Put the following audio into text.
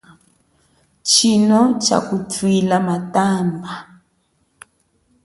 Tshino tsha kutwila matamba.